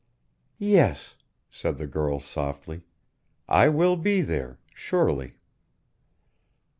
"Yes," said the girl, softly; "I will be there surely."